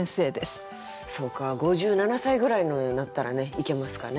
そうか５７歳ぐらいになったらねいけますかね？